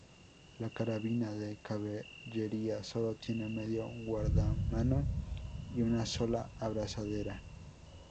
La carabina de Caballería solo tiene medio guardamano y una sola abrazadera.